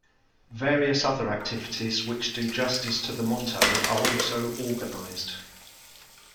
Various other activities which do justice to the motto are also organized.